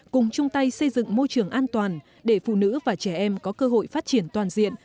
cùng chung tay xây dựng môi trường an toàn để phụ nữ và trẻ em có cơ hội phát triển toàn diện